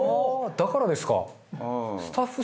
だからですか。